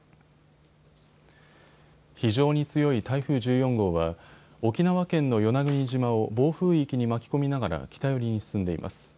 非常に強い台風１４号は沖縄県の与那国島を暴風域に巻き込みながら北寄りに進んでいます。